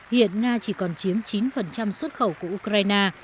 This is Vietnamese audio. hiện nga chỉ còn chiếm chín xuất khẩu của ukraine